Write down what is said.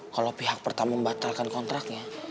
kalau pihak pertama membatalkan kontraknya